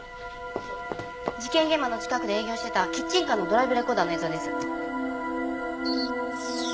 事件現場の近くで営業してたキッチンカーのドライブレコーダーの映像です。